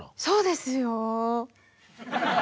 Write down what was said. そうですよ。